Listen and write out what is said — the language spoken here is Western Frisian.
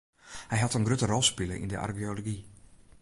Hy hat in grutte rol spile yn de archeology.